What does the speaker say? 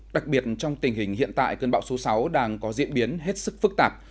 đặc biệt trong tình hình hiện tại cơn bão số sáu đang có diễn biến hết sức phức tạp